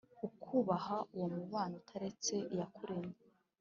ukubaha uwo mubano utaretse iyakuremye